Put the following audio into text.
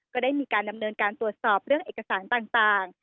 ก็ได้มีการดำเนินการตรวจสอบเรื่องเอกสารต่าง